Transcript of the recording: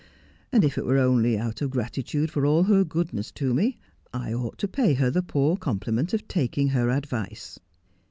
'And if it were only out of gratitude for all her goodness to me, I ought to pay her the poor compliment of taking her advice.'